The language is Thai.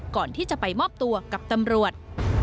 ก่อนที่จะไปมอบตัวกับตำรวจ